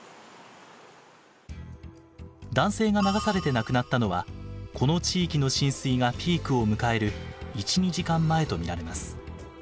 男性が流されて亡くなったのはこの地域の浸水がピークを迎える１２時間前と見られます。